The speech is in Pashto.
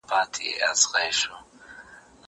زه ښوونځی ته تللی دی!؟